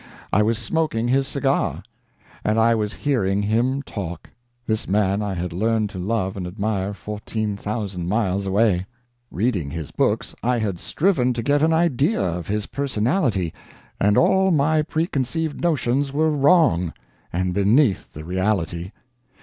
I was smoking his cigar, and I was hearing him talk—this man I had learned to love and admire fourteen thousand miles away. Reading his books, I had striven to get an idea of his personality, and all my preconceived notions were wrong and beneath the reality.